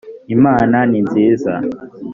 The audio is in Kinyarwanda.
imana ninziza.